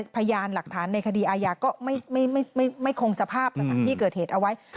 พยานหลักฐานในคดีอาญาก็ไม่คงสภาพสถานที่เกิดเหตุเอาไว้